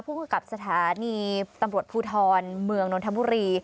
ผู้กำกับสถานีตำรวจภูทรเมืองนนทบุรี